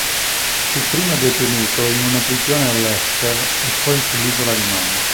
Fu prima detenuto in una prigione a Leicester e poi sull'isola di Man.